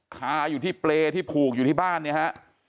คาอยู่ที่เปรย์ที่ผูกอยู่ที่บ้านเนี่ยฮะ